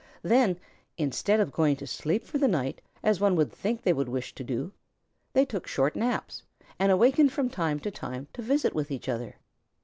Then, instead of going to sleep for the night, as one would think they would wish to do, they took short naps and awakened from time to time to visit with each other.